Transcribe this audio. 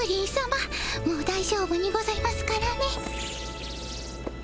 もうだいじょうぶにございますからね。